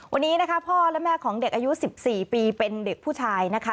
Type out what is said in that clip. วันนี้นะคะพ่อและแม่ของเด็กอายุ๑๔ปีเป็นเด็กผู้ชายนะคะ